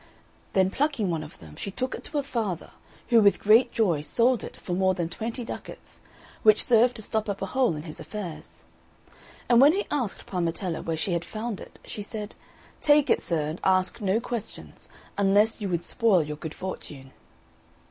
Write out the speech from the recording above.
Then plucking one of them, she took it to her father, who with great joy sold it for more than twenty ducats, which served to stop up a hole in his affairs. And when he asked Parmetella where she had found it, she said, "Take it, sir, and ask no questions, unless you would spoil your good fortune."